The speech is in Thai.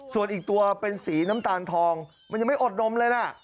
ส่วนอีกตัวเป็นสีน้ำตาลทองมันยังไม่อดนมเลยนะ